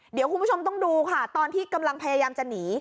เดี๋ยวคุณผู้ชมต้องดูค่ะตอนที่กำลังพยายามจะหนี